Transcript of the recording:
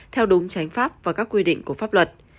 theo đúng tránh pháp và các quy định của pháp luật